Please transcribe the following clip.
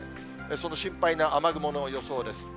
その心配な雨雲の予想です。